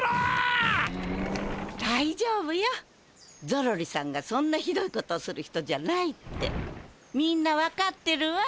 ゾロリさんがそんなひどいことをする人じゃないってみんな分かってるわ。